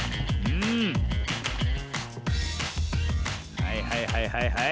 はいはいはいはいはい。